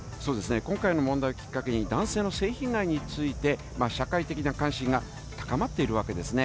今回の問題をきっかけに、男性の性被害について社会的な関心が高まっているわけですね。